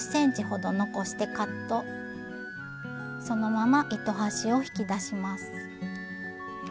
そのまま糸端を引き出します。